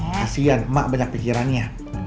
kasian emak banyak pikirannya